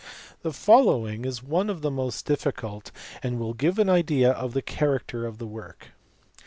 The follow ing is one of the most difficult, and will give an idea of the character of the work.